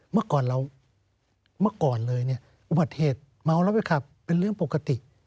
เมื่อก่อนเราเมื่อก่อนเลยเนี่ยอุบัติเหตุเมาแล้วไปขับเป็นเรื่องปกติ